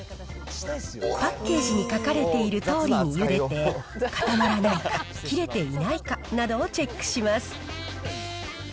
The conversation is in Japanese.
パッケージに書かれているとおりにゆでて、固まらないか、切れていないかなどをチェックします。